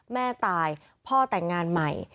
แม่ตายพ่อแต่งงานใหม่